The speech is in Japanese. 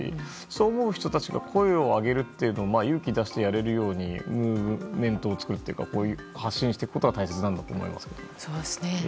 そう思う人たちが声を上げるという勇気を出してやれるようにムーブメントを作るっていうか発信していくことが大切だと思います。